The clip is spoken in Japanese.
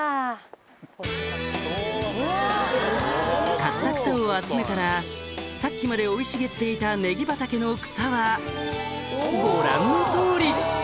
刈った草を集めたらさっきまで生い茂っていたネギ畑の草はご覧の通りすると